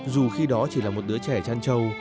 dù khi đó chỉ là một đứa trẻ chăn trâu